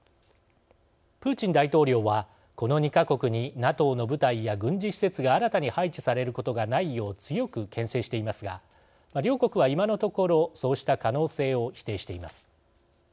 プーチン大統領はこの２か国にＮＡＴＯの部隊や軍事施設が新たに配置されることがないよう強くけん制していますが両国は今のところそうした可能性を否定しています。